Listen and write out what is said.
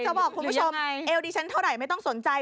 จะบอกคุณผู้ชมเอวดิฉันเท่าไหร่ไม่ต้องสนใจ